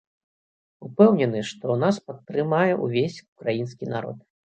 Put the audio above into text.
Упэўнены, што нас падтрымае ўвесь украінскі народ.